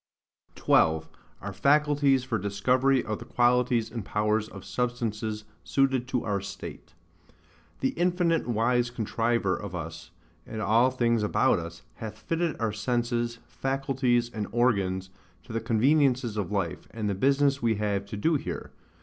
12. Our Faculties for Discovery of the Qualities and powers of Substances suited to our State. The infinite wise Contriver of us, and all things about us, hath fitted our senses, faculties, and organs, to the conveniences of life, and the business we have to do here.